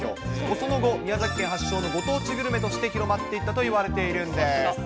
その後、宮崎県発祥のご当地グルメとして広まっていったといわれているんです。